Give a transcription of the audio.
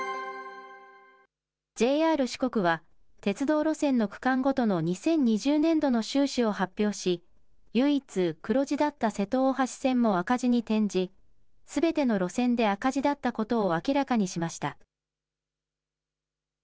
ＪＲ四国は、鉄道路線の区間ごとの２０２０年度の収支を発表し、唯一黒字だった瀬戸大橋線も赤字に転じ、すべての路線で赤字だったことを明らかにしました。